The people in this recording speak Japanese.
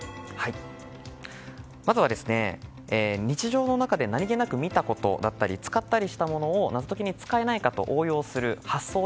まずは、日常の中で何気なく見たものだったり使ったりしたものを謎解きに使えないかと応用する発想。